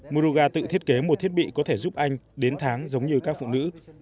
muroga tự thiết kế một thiết bị có thể giúp anh đến tháng giống như các phụ nữ